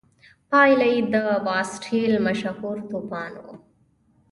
پایله یې د باسټیل مشهور توپان و.